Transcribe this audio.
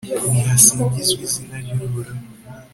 nihasingizwe izina ry'uhoraho